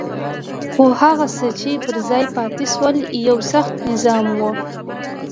خو هغه څه چې پر ځای پاتې شول یو سخت نظام وو.